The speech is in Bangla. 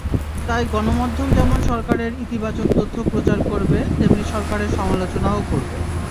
তাই গণমাধ্যম যেমন সরকারের ইতিবাচক তথ্য প্রচার করবে, তেমনি সরকারের সমালোচনাও করবে।